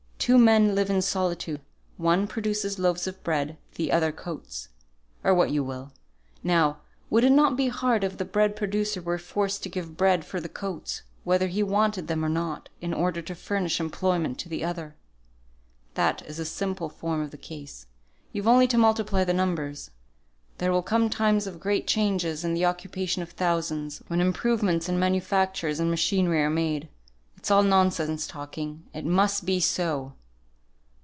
Two men live in solitude; one produces loaves of bread, the other coats, or what you will. Now, would it not be hard if the bread producer were forced to give bread for the coats, whether he wanted them or not, in order to furnish employment to the other? That is the simple form of the case; you've only to multiply the numbers. There will come times of great changes in the occupation of thousands, when improvements in manufactures and machinery are made. It's all nonsense talking, it must be so!"